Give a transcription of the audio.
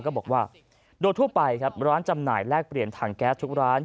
ก็บอกว่าโดยทั่วไปครับร้านจำหน่ายแลกเปลี่ยนถังแก๊สทุกร้าน